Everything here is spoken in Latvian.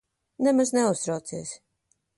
Nemaz neuztraucies.